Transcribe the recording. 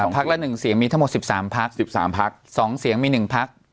พักละหนึ่งเสียงมีทั้งหมดสิบสามพักสิบสามพักสองเสียงมีหนึ่งพัก